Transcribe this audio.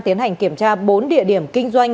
tiến hành kiểm tra bốn địa điểm kinh doanh